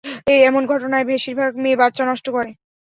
এমন ঘটনায়, বেশিরভাগ মেয়ে বাচ্চা নষ্ট করে।